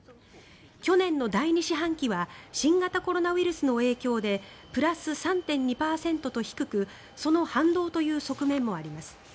去年の第２四半期は新型コロナウイルスの影響でプラス３．２％と低くその反動という側面もあります。